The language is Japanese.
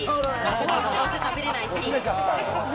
ご飯もどうせ食べれないし。